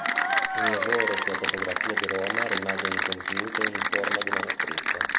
Un lavoro sulla topografia di Roma rimase incompiuto in forma di manoscritto.